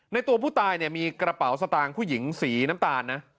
ในตัวผู้ตายมีกระเป๋าสตางคเกอร์หญิงสีน้ำตาล